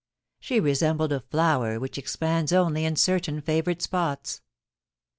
She resembled a flower which expands only in cer tain favoured spots.